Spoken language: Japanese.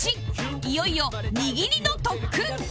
いよいよ握りの特訓